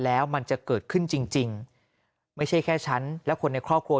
แล้วมันจะเกิดขึ้นจริงจริงไม่ใช่แค่ฉันและคนในครอบครัว